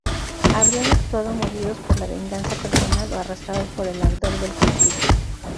Habrían actuado movidos por la venganza personal o arrastrados por el ardor del conflicto.